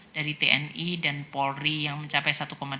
dari tni dan polri yang mencapai satu delapan